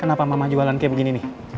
kenapa mama jualan kayak begini nih